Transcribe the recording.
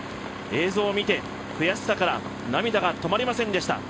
映像を見て、悔しさから涙が止まりませんでした。